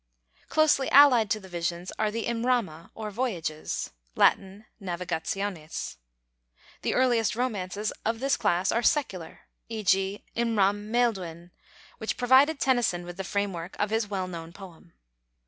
Closely allied to the Visions are the Imrama or "voyages" (Lat. navigationes). The earliest romances of this class are secular, e.g., Imram Maelduin, which provided Tennyson with the frame work of his well known poem.